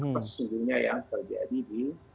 apa sesungguhnya yang terjadi di